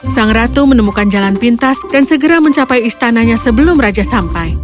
sang ratu menemukan jalan pintas dan segera mencapai istananya sebelum raja sampai